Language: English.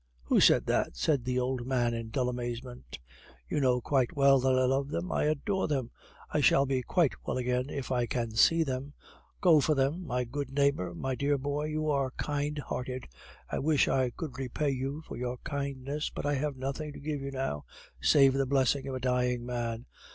"Who said that!" said the old man in dull amazement. "You know quite well that I love them, I adore them! I shall be quite well again if I can see them.... Go for them, my good neighbor, my dear boy, you are kind hearted; I wish I could repay you for your kindness, but I have nothing to give you now, save the blessing of a dying man.